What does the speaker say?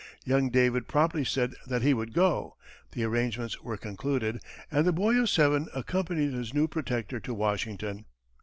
Young David promptly said that he would go, the arrangements were concluded, and the boy of seven accompanied his new protector to Washington.